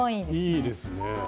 いいですね。